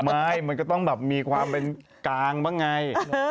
ไม่มันก็ต้องแบบมีความเป็นกลางบ้างไง